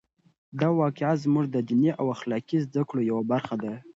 دا واقعه زموږ د دیني او اخلاقي زده کړو یوه برخه ده.